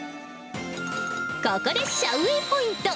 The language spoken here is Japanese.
ここでシャウ・ウェイポイント。